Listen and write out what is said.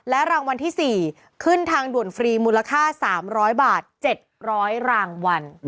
รางวัลที่๔ขึ้นทางด่วนฟรีมูลค่า๓๐๐บาท๗๐๐รางวัล